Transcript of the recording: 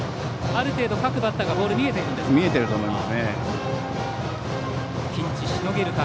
ある程度、各バッターがボール見えているんですか。